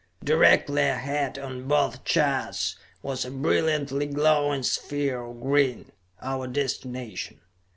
Directly ahead, on both charts, was a brilliantly glowing sphere of green our destination.